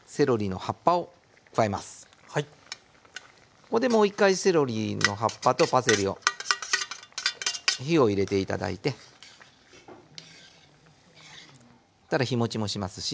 ここでもう一回セロリの葉っぱとパセリを火を入れて頂いてたら日もちもしますし。